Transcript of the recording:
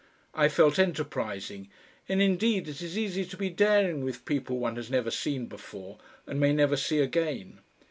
I felt enterprising, and indeed it is easy to be daring with people one has never seen before and may never see again.